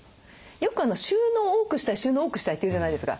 よく収納を多くしたい収納を多くしたいって言うじゃないですか。